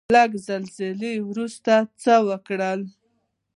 له زلزلې وروسته څه وکړو؟